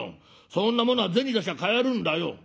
そんなものは銭出しゃ買えるんだよ。